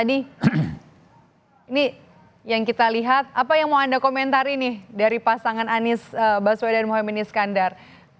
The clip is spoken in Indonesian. ini yang kita lihat apa yang mau anda komentari nih dari pasangan anies baswedan mohaimin iskandar